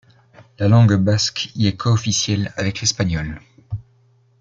La langue basque y est coofficielle avec l'espagnol.